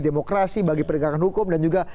demokrasi bagi penegakan hukum dan juga